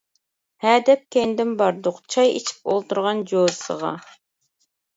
ھە دەپ كەينىدىن باردۇق چاي ئىچىپ ئولتۇرغان جوزىسىغا.